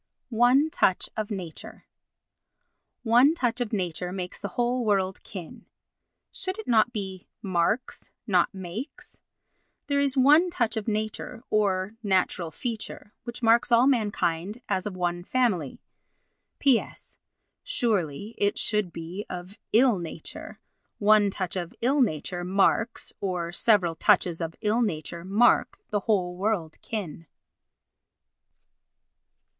"One Touch of Nature" "One touch of nature makes the whole world kin." Should it not be "marks," not "makes"? There is one touch of nature, or natural feature, which marks all mankind as of one family. P.S.—Surely it should be "of ill nature." "One touch of ill nature marks—or several touches of ill nature mark the whole world kin."